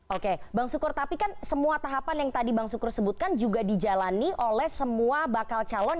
oke bang sukur tapi kan semua tahapan yang tadi bang sukur sebutkan juga dijalani oleh semua bakal calon